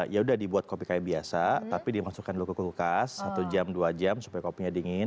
ya udah dibuat kopi kayak biasa tapi dimasukkan dulu ke kulkas satu jam dua jam supaya kopinya dingin